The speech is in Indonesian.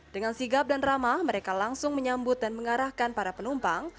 dengan sigap dan ramah mereka langsung menyambut dan mengarahkan para penumpang